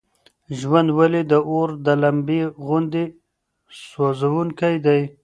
ژوند ولې د اور د لمبې غوندې سوزونکی دی؟